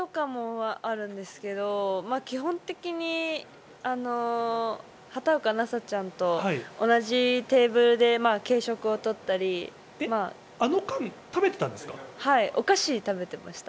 移動とかもあるんですけど、基本的に畑岡奈紗ちゃんと同じテーブルで軽食を取ったり、あの間、食べていたんですか？